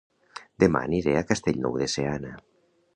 Dema aniré a Castellnou de Seana